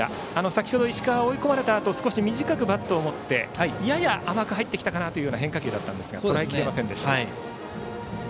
先程、石川追い込まれたあと短くバットを持ってやや甘く入ってきたかなという変化球でしたがとらえきれませんでした。